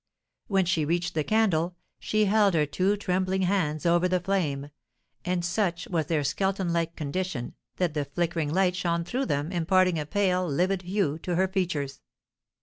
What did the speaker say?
When she reached the candle, she held her two trembling hands over the flame; and such was their skeleton like condition, that the flickering light shone through them, imparting a pale, livid hue to her features.